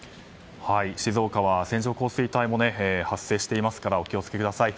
静岡は線上降水帯も発生していますからお気を付けください。